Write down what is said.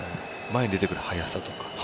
前に出てくる速さとか。